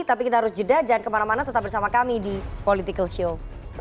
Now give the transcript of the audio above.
tapi kita harus jeda jangan kemana mana tetap bersama kami di political show